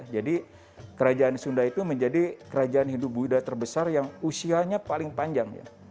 jadi kerajaan sunda itu menjadi kerajaan hindu buddha terbesar yang usianya paling panjang